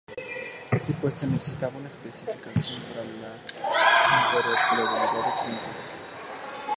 Así pues, se necesitaba una especificación para la interoperabilidad de clientes.